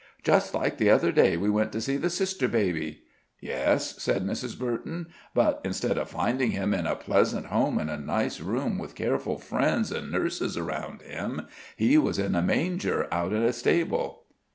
"Just like the other day we went to see the sister baby." "Yes," said Mrs. Burton; but instead of finding Him in a pleasant home and a nice room, with careful friends and nurses around Him, He was in a manger out in a stable."